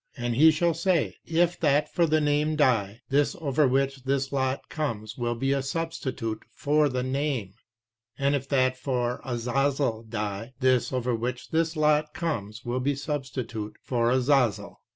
And he shall say, "if that for the Name die, this over which this lot comes will be a substitute for the Name; and if that for Azazel die, this over which this lot comes will be a substitute for Azazel."